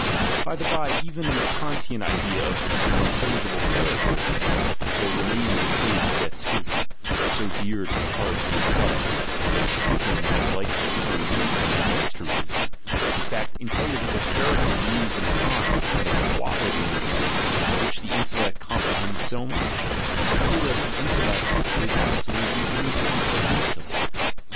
... By the bye, even in the Kantian idea of "the intelligible character of things" there remains a trace of that schism, so dear to the heart of the ascetic, that schism which likes to turn reason against reason; in fact, "intelligible character" means in Kant a kind of quality in things of which the intellect comprehends so much, that for it, the intellect, it is absolutely incom prehensible.